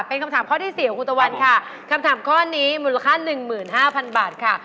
เป็นคำถามข้อที่๔ของคุณตะวันค่ะคำถามข้อนี้มูลค่า๑๕๐๐๐บาทค่ะ